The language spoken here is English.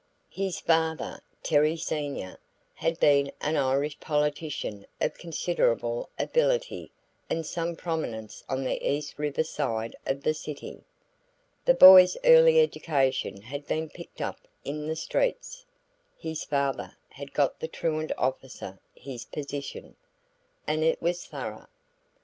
His father, Terry Senior, had been an Irish politician of considerable ability and some prominence on the East River side of the city. The boy's early education had been picked up in the streets (his father had got the truant officer his position) and it was thorough.